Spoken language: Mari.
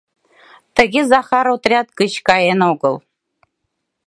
Тыге Захар отряд гыч каен огыл.